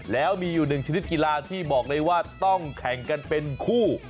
แล้วมีอยู่หนึ่งชนิดกีฬาที่บอกเลยว่าต้องแข่งกันเป็นคู่